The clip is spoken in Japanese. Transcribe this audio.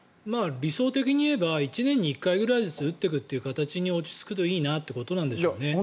理想的に言えば１年に１回ぐらいずつ打っていくという形に落ち着くといいなということなんでしょうね。